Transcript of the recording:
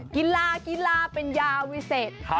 กีฬากีฬาเป็นยาวิเศษ